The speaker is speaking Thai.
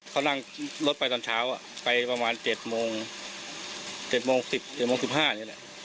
เขานั่งรถไปตอนเช้าไปประมาณเจ็ดโมงเจ็ดโมงสิบเจ็ดโมงสิบห้านี่แหละ